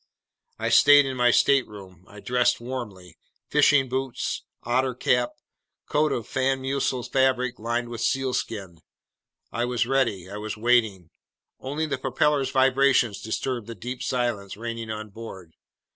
I stayed in my stateroom. I dressed warmly: fishing boots, otter cap, coat of fan mussel fabric lined with sealskin. I was ready. I was waiting. Only the propeller's vibrations disturbed the deep silence reigning on board.